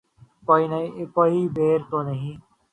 کوئی بیر تو نہیں